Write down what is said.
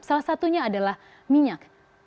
salah satunya adalah minyak